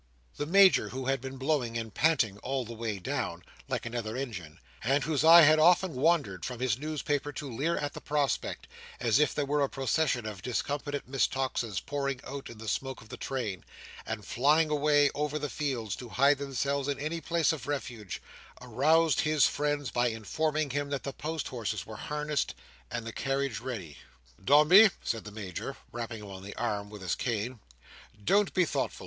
The Major, who had been blowing and panting all the way down, like another engine, and whose eye had often wandered from his newspaper to leer at the prospect, as if there were a procession of discomfited Miss Toxes pouring out in the smoke of the train, and flying away over the fields to hide themselves in any place of refuge, aroused his friends by informing him that the post horses were harnessed and the carriage ready. "Dombey," said the Major, rapping him on the arm with his cane, "don't be thoughtful.